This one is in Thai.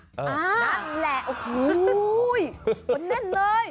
นั่นนี่แหละโอ้โฮแน่นเลย